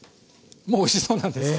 もうおいしそうなんです。